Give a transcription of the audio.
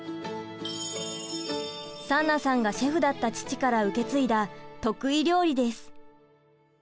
サンナさんがシェフだった父から受け継いだ得意料理です。